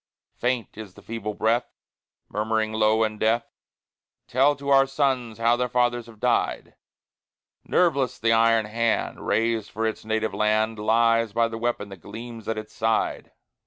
Faint is the feeble breath, Murmuring low in death, "Tell to our sons how their fathers have died;" Nerveless the iron hand, Raised for its native land, Lies by the weapon that gleams at its side.